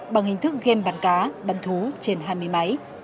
bằng hình thức game bắn cá bắn thú trên hai mươi máy